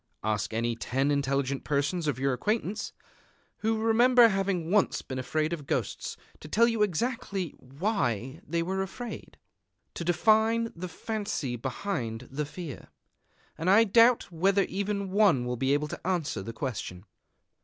Ask any ten intelligent persons of your acquaintance, who remember having once been afraid of ghosts, to tell you exactly why they were afraid, to define the fancy behind the fear; and I doubt whether even one will be able to answer the question.